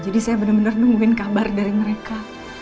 jadi saya benar benar nungguin kabar dari mereka